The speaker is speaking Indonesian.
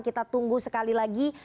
kita tunggu sekali lagi